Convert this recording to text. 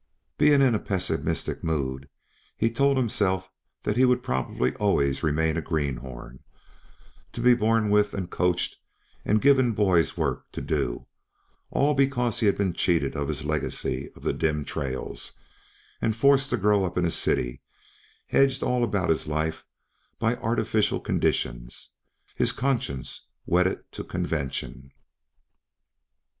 Being in pessimistic mood, he told himself that he would probably always remain a greenhorn, to be borne with and coached and given boy's work to do; all because he had been cheated of his legacy of the dim trails and forced to grow up in a city, hedged about all his life by artificial conditions, his conscience wedded to convention.